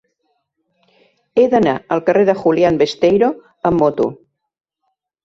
He d'anar al carrer de Julián Besteiro amb moto.